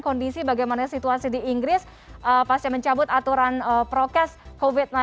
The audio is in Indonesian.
kondisi bagaimana situasi di inggris pasca mencabut aturan prokes covid sembilan belas